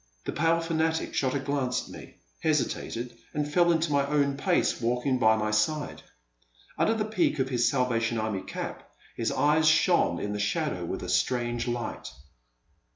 *' The pale fanatic shot a glance at me, hesitated, and fell into my own pace, walking by my side. Under the peak of his Salvation Army cap his eyes shone in the shadow with a strange light.